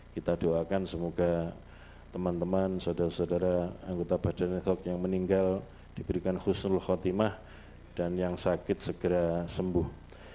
kita doakan semoga teman teman saudara saudara anggota badan esok yang meninggal diberikan khusnul khotimah dan yang sakit segera sembuh